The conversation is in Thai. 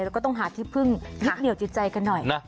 แล้วก็ต้องหาที่พึ่งยึดเหนียวจิตใจกันหน่อย